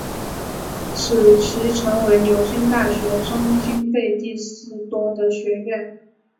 使其成为牛津大学中经费第四多的学院。